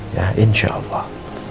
ya insya allah